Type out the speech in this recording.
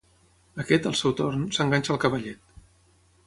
Aquest, al seu torn, s'enganxa al cavallet.